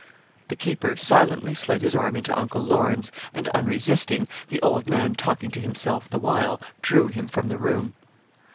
The keeper silently slid his arm into Uncle Lorne's, and, unresisting, the old man talking to himself the while, drew him from the room.